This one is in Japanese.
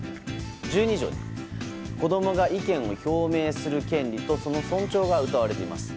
１２条に子供が意見を表明する権利とその尊重がうたわれています。